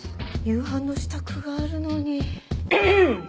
夕飯の支度があるのに。